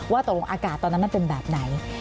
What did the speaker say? ว่าตกลงอากาศตอนนั้นมันเป็นแบบไหน